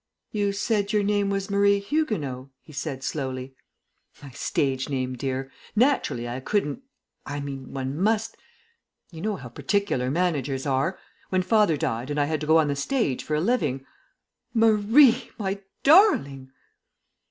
"You said your name was Marie Huguenot," he said slowly. "My stage name, dear. Naturally I couldn't I mean, one must you know how particular managers are. When father died and I had to go on the stage for a living " "Marie, my darling!"